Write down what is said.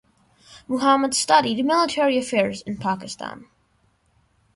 Muhammed Studied military affairs in Pakistan.